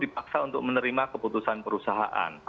dipaksa untuk menerima keputusan perusahaan